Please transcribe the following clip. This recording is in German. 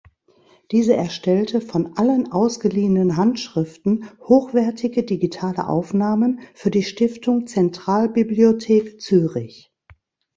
Diese erstellte von allen ausgeliehenen Handschriften hochwertige digitale Aufnahmen für die Stiftung Zentralbibliothek Zürich.